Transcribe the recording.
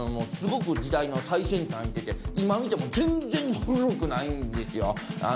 すごく時代の最先端行ってて今見ても全然古くないんですよ。